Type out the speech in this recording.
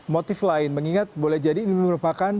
motif lain mengingat boleh jadi ini merupakan